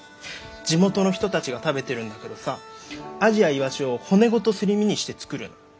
地元の人たちが食べてるんだけどさアジやイワシを骨ごとすり身にして作るの。